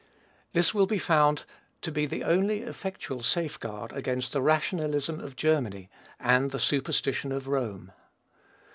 This will be found to be the only effectual safeguard against the rationalism of Germany and the superstition of Rome.